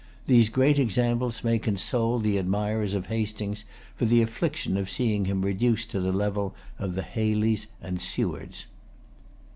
These great examples may console the admirers of Hastings for the affliction of seeing him reduced to the level of the Hayleys and Sewards.